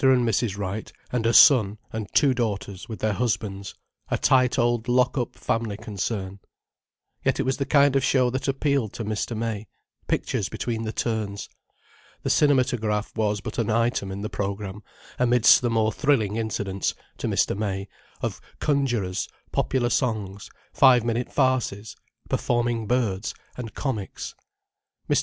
and Mrs. Wright and a son and two daughters with their husbands: a tight old lock up family concern. Yet it was the kind of show that appealed to Mr. May: pictures between the turns. The cinematograph was but an item in the program, amidst the more thrilling incidents—to Mr. May—of conjurors, popular songs, five minute farces, performing birds, and comics. Mr.